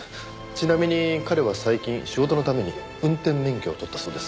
ちなみに彼は最近仕事のために運転免許を取ったそうです。